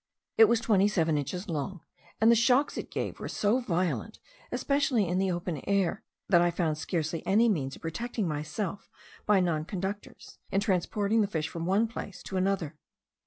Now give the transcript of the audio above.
It was twenty seven inches long; and the shocks it gave were so violent, especially in the open air, that I found scarcely any means of protecting myself by non conductors, in transporting the fish from one place to another.